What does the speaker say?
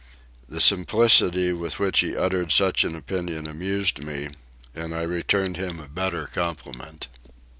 The simplicity with which he uttered such an opinion amused me and I returned him a better compliment.